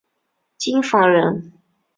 京房人。